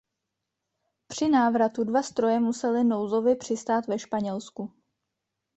Při návratu dva stroje musely nouzově přistát ve Španělsku.